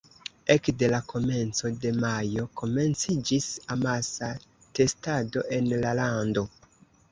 Ekde la komenco de majo komenciĝis amasa testado en la lando.